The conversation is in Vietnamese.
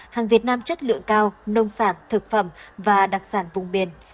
hàng việt nam chất lượng cao nông sản thực phẩm và đặc sản vùng biển